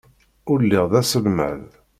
Ul lliɣ d aselmad.